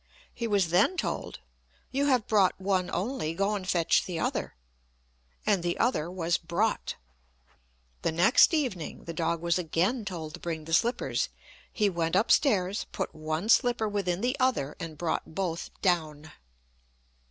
He was then told, "You have brought one only, go and fetch the other;" and the other was brought. The next evening the dog was again told to bring the slippers. He went up stairs, put one slipper within the other, and brought both down.